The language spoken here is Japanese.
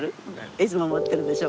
いつも持ってるでしょ。